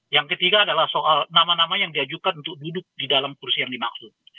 yang ketiga adalah soal nama nama yang diajukan untuk duduk di dalam kursi yang dimaksud